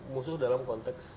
musuh dalam konteks